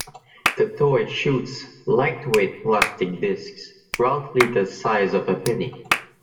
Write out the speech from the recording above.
The toy shoots lightweight plastic discs roughly the size of a penny.